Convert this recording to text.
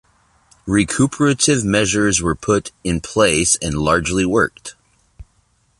Recuperative measures were put in place and largely worked.